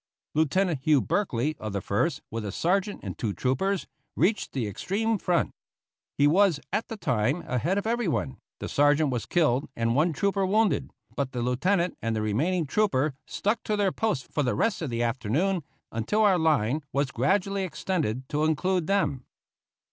Lieutenant Hugh Berkely, of the First, with a sergeant and two troopers, reached the extreme front. He was, at the time, ahead of everyone; the sergeant was killed and one trooper wounded; but the lieutenant and the remaining trooper stuck to their post for the rest of the afternoon until our line was gradually extended to include them.